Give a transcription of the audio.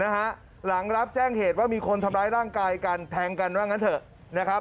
หลังรับแจ้งเหตุว่ามีคนทำร้ายร่างกายกันแทงกันว่างั้นเถอะนะครับ